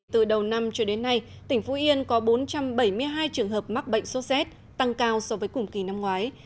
từ đầu năm cho đến nay tỉnh phú yên có bốn trăm bảy mươi hai trường hợp mắc bệnh số z tăng cao so với cùng kỳ năm ngoái